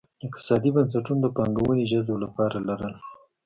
اقتصادي بنسټونو د پانګونې جذب لپاره لرل.